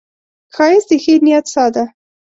ښایست د ښې نیت ساه ده